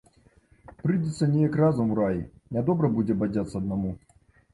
Прыйдзецца неяк разам у рай, нядобра будзе бадзяцца аднаму.